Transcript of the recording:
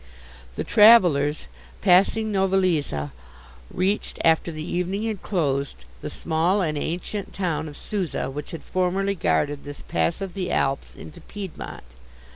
The travellers, passing Novalesa, reached, after the evening had closed, the small and ancient town of Susa, which had formerly guarded this pass of the Alps into Piedmont.